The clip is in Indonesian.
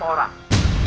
kijang tiga masuk